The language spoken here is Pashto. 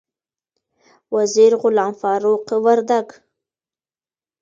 وزیر غلام فاروق وردک